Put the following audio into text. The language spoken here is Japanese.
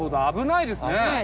危ないですね。